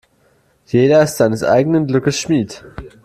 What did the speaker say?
Jeder ist seines eigenen Glückes Schmied.